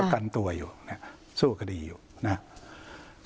กันตัวอยู่สู้คดีอยู่นะครับ